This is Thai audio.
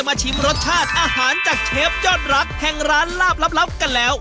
ชิมรสชาติอาหารจากเชฟยอดรักแห่งร้านลาบลับกันแล้ว